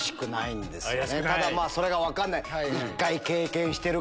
ただそれが分かんない。